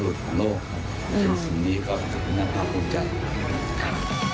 อืมสินนี้ก็นั้นพลาดพรุ่งจันทร์หรือเปล่าค่ะ